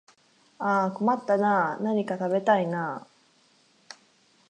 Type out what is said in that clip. ああ困ったなあ、何か食べたいなあ